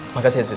makasih ya sutan